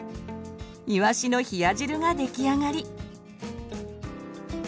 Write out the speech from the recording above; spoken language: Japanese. いわしの冷や汁が出来上がり。